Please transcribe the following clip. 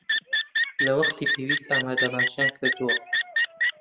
لە وەختی پێویست ئامادەباشییان کردووە